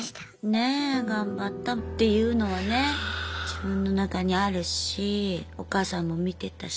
ねえ。頑張ったっていうのはね自分の中にあるしお母さんも見てたし。